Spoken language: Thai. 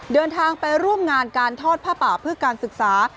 เดินทางไปร่วมงานการทอดผ้าป่าเพื่อการศึกษา